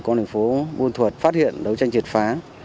thành phố vân thuật phát hiện đấu tranh triệt phá